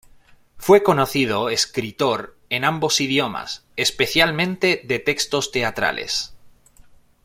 Fue un conocido escritor en ambos idiomas, especialmente de textos teatrales.